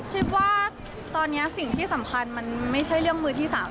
ว่าตอนนี้สิ่งที่สำคัญมันไม่ใช่เรื่องมือที่๓